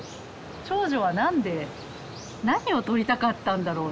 長女は何で何を撮りたかったんだろう。